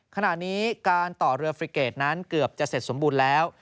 ขณะนี้การต่อเรือฟริเกตนั้นเกือบจะเสร็จสมบูรณ์แล้ว